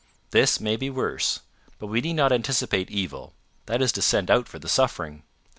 "This may be worse. But we need not anticipate evil: that is to send out for the suffering.